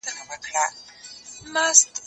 ته ولي ليک لولې!.